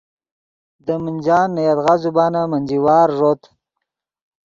دے منجان نے یدغا زبانن منجی وار ݱوت